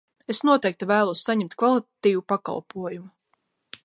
Es noteikti vēlos saņemt kvalitatīvu pakalpojumu!